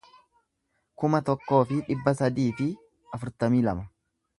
kuma tokkoo fi dhibba sadii fi afurtamii lama